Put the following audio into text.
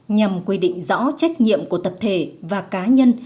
nhằm quy định rõ trách nhiệm của tập thể và cá nhân